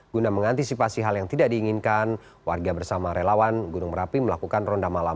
guna mengantisipasi hal yang tidak diinginkan warga bersama relawan gunung merapi melakukan ronda malam